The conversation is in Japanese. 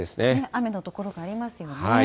雨の所がありますもんね。